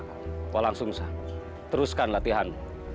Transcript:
kau langsung saja teruskan latihanmu